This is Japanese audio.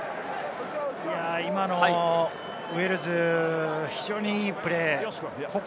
今のウェールズ非常にいいプレー。